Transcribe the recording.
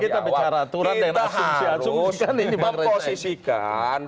kita harus memposisikan